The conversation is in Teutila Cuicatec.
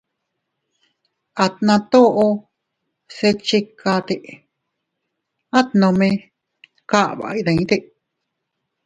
Atna toʼo se iychikate, at nome kaba iydite.